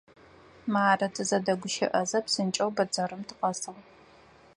Мары, тызэдэгущыӏэзэ, псынкӏэу бэдзэрым тыкъэсыгъ.